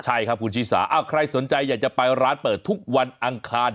ใช่ครับคุณชิสาใครสนใจอยากจะไปร้านเปิดทุกวันอังคาร